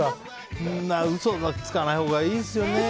そんな嘘はつかないほうがいいですよね。